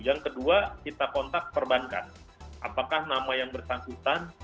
yang kedua kita kontak perbankan apakah nama yang bersangkutan